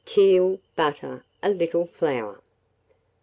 Teal, butter, a little flour.